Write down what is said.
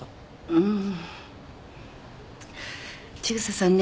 うん。